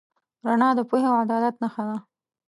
رڼا د پوهې او عدالت نښه ده.